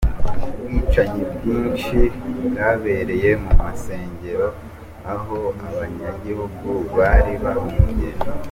Ubwicanyi bwinshi bwabereye mu masengero aho abanyagihugu bari bahungiye.